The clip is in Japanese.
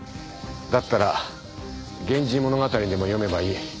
だったら『源氏物語』でも読めばいい。